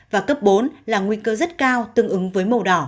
và cấp bốn là nguy cơ rất cao tương ứng với màu đỏ